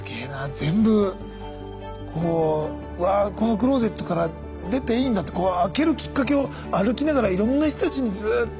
全部こうわあこのクローゼットから出ていいんだって開けるきっかけを歩きながらいろんな人たちにずっと。